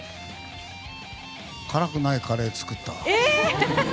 辛くないカレーを作った。